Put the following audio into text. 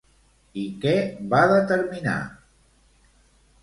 I què va determinar?